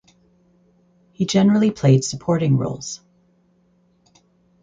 He generally played supporting roles.